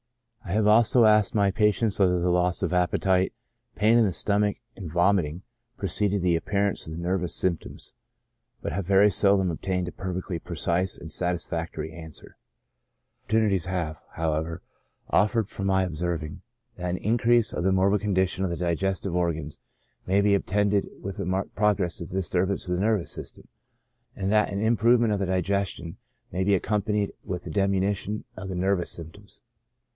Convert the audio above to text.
I have often asked my patients whether the loss of appe tite, pain in the stomach, and vomiting, preceded the ap pearance of the nervous symptoms, but have very seldom obtained a perfectly precise and satisfactory ansvirer ; oppor tunities have, however, offered for my observing, that an increase of the morbid condition of the digestive organs may be attended with a marked progress of the disturbance of the nervous system, and that an improvement of the diges tion may be accompanied with a diminution of the nervous symptoms.